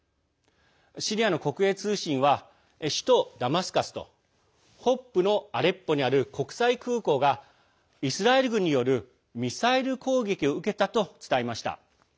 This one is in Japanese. シリアの国営通信は首都ダマスカスと北部のアレッポにある国際空港がイスラエル軍によるミサイル攻撃を受けたと伝えました。